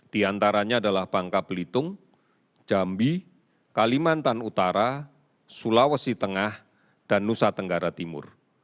di antaranya adalah bangka belitung jambi kalimantan utara sulawesi tengah dan nusa tenggara timur